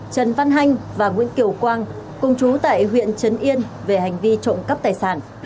trần văn hanh và nguyễn kiều quang cùng chú tại huyện trấn yên về hành vi trộm cắp tài sản